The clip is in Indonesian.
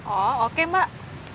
oh oke mbak